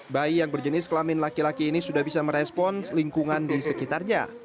bayi yang berjenis kelamin laki laki ini sudah bisa merespon lingkungan di sekitarnya